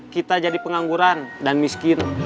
kita jadi pengangguran dan miskin